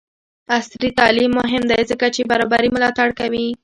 عصري تعلیم مهم دی ځکه چې برابري ملاتړ کوي.